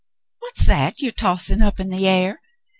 "What's that you are tossing up in the air?